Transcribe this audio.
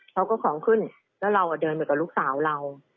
เขาก็ของขึ้นแล้วเราเดินไปกับลูกสาวเรา